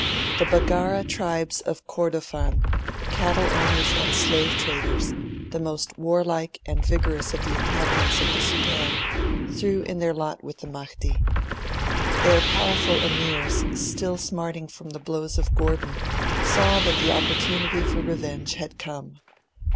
The Baggara tribes of Kordofan, cattle owners and slave traders, the most warlike and vigorous of the inhabitants of the Sudan, threw in their lot with the Mahdi. Their powerful Emirs, still smarting from the blows of Gordon, saw that the opportunity for revenge had come.